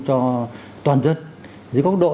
cho toàn dân với góc độ